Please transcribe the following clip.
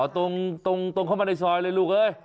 ตรงเข้ามาในซอยเลยลูกเอ้ย